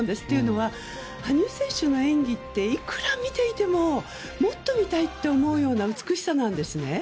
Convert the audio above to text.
というのは、羽生選手の演技っていくら見ていてももっと見たいと思うような美しさなんです。